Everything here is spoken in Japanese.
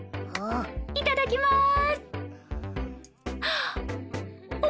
いただきまーす！